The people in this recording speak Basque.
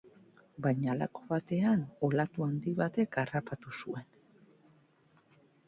Baina halako batean, olatu handi batek harrapatu zuen.